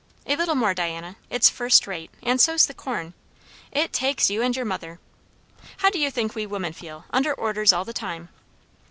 A little more, Diana; it's first rate, and so's the corn. It takes you and your mother! How do you think we women feel, under orders all the time?"